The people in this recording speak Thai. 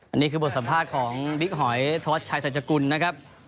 อันนี้คือบทสัมภาษณ์ของบิ๊กหอยธวัชชัยสัจกุลนะครับ